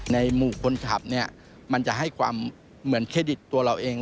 ในหมู่คนขับเนี่ยมันจะให้ความเหมือนเครดิตตัวเราเอง